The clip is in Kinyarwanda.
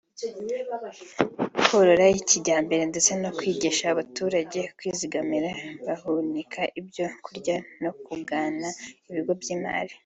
korora kijyambere ndetse no kwigisha abaturage kwizigamira bahunika ibyo kurya no kugana ibigo by’imari